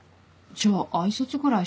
じゃあ挨拶くらいしたら？